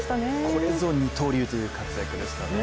これぞ二刀流という活躍でしたね。